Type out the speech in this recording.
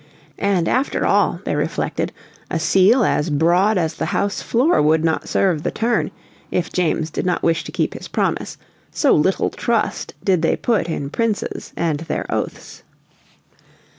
And after all they reflected "a seal as broad as the house floor would not serve the turn" if James did not wish to keep his promise, so little trust did they put in princes and their oaths.